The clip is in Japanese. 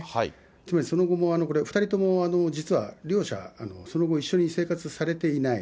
つまり、その後も、これ２人とも実は両者、その後、一緒に生活されていない。